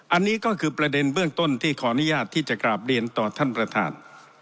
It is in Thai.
อันนี้ก็คือประเด็นเบื้องต้นที่ขออนุญาตที่จะกราบเรียนต่อท่านประธาน